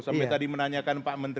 sampai tadi menanyakan pak menteri